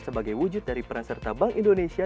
sebagai wujud dari peran serta bank indonesia